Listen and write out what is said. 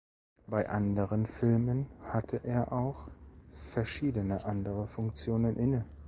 Bei anderen Filmen hatte er auch verschiedene andere Funktionen inne.